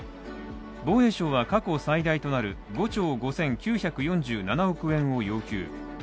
防衛省は過去最大となる５兆５９７４億円を要求。